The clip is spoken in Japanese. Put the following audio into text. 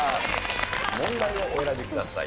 問題をお選びください。